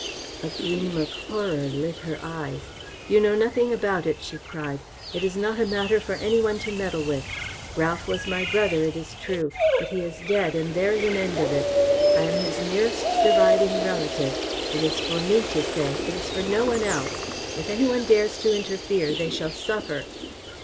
A gleam of horror lit her eyes. "You know nothing about it," she cried. "It is not a matter for any one to meddle with. Ralph was my brother, it is true, but he is dead and there is an end of it. I am his nearest surviving relative. It is for me to say. It is for no one else. If any one dares to interfere they shall suffer."